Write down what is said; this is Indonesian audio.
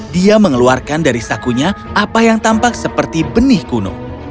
dia mengeluarkan dari sakunya apa yang tampak seperti benih kuno